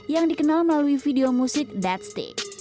yang dikenal melalui video musik dead stick